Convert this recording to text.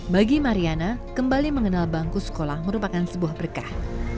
bagi mariana kembali mengenal bangku sekolah merupakan sebuah berkah